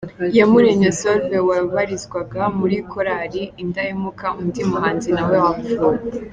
Iyamuremye Saulve wabarizwaga muri Korali Indahemuka, undi muhanzi nawe wapfuye.